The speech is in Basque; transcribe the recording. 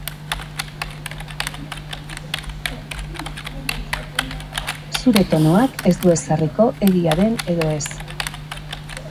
Zure tonuak ez du ezarriko egia den edo ez.